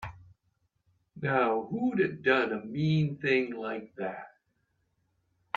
Now who'da done a mean thing like that?